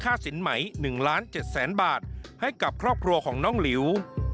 ค่าสินใหม่๑๗๐๐๐๐๐บาทให้กับครอบครัวของน้องลิว